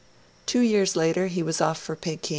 Two days later, he was off for Pekin.